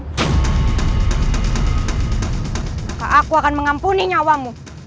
maka aku akan mengampuni nyawamu